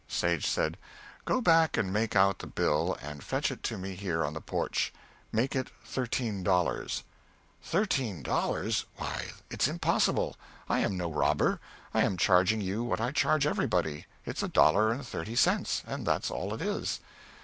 Sage said, "Go back and make out the bill and fetch it to me here on the porch. Make it thirteen dollars." "Thirteen dollars! Why, it's impossible! I am no robber. I am charging you what I charge everybody. It's a dollar and thirty cents, and that's all it is."